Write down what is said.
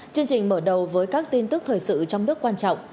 chương trình mở đầu với các tin tức thời sự trong nước quan trọng